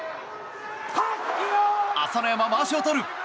朝乃山、まわしを取る！